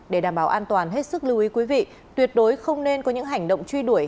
để đảm bảo an toàn hết sức lưu ý quý vị tuyệt đối không nên có những hành động truy đuổi